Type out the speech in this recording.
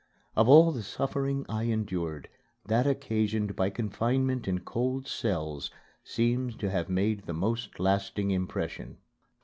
Of all the suffering I endured, that occasioned by confinement in cold cells seems to have made the most lasting impression.